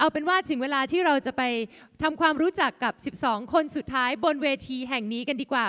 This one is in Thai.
เป็นว่าถึงเวลาที่เราจะไปทำความรู้จักกับ๑๒คนสุดท้ายบนเวทีแห่งนี้กันดีกว่า